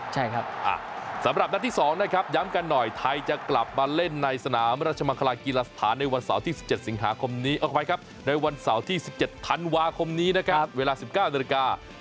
ใช่ครับสำหรับนัดที่๒นะครับย้ำกันหน่อยไทยจะกลับมาเล่นในสนามราชมังคลากีฬาสถานในวันเสาร์ที่๑๗สิงหาคมนี้ออกไปครับในวันเสาร์ที่๑๗ธันวาคมนี้นะครับเวลา๑๙นาฬิกา